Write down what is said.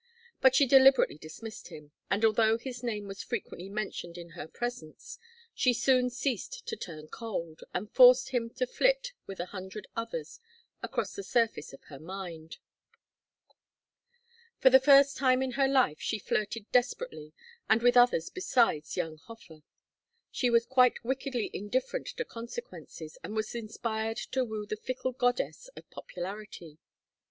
But she deliberately dismissed him, and although his name was frequently mentioned in her presence, she soon ceased to turn cold, and forced him to flit with a hundred others across the surface of her mind. For the first time in her life she flirted desperately, and with others besides young Hofer. She was quite wickedly indifferent to consequences, and was inspired to woo the fickle goddess of popularity.